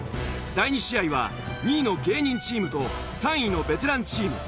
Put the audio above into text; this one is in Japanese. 第２試合は２位の芸人チームと３位のベテランチーム。